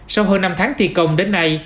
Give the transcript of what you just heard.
sau hơn năm tháng thi công đến nay